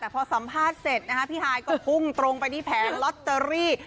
แต่พอสัมภาษณ์เสร็จพี่ฮายก็พุ่งตรงไปที่แผงลอตเตอรี่